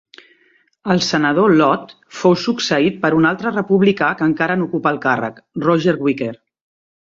El senador Lott fou succeït per un altre republicà que encara n'ocupa el càrrec, Roger Wicker.